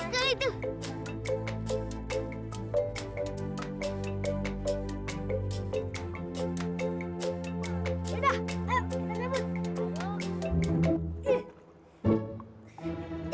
saya sudah minta permintaan sama rudez